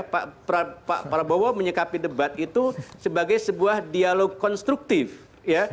pak prabowo menyikapi debat itu sebagai sebuah dialog konstruktif ya